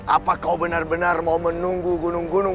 apa kau benar benar mau menunggu gunung gunung